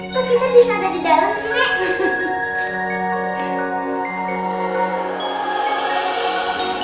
kok kita bisa ada di dalam sih